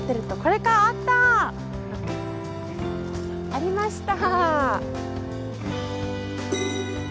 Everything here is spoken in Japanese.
ありました。